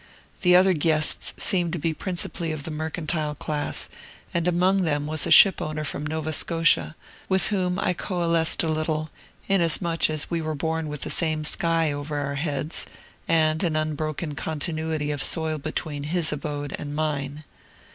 The other guests seemed to be principally of the mercantile class, and among them was a ship owner from Nova Scotia, with whom I coalesced a little, inasmuch as we were born with the same sky over our heads, and an unbroken continuity of soil between his abode and mine.